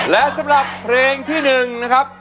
และสำหรับเพลงที่๑นะครับ